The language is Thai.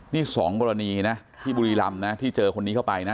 นี่๒กรณีนะที่บุรีรำนะที่เจอคนนี้เข้าไปนะ